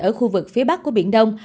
ở khu vực phía bắc của biển đông